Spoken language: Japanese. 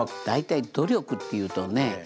大体努力っていうとね